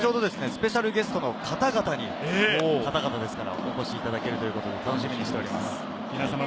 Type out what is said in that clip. スペシャルゲストの方々にお越しいただけるということで楽しみにしております。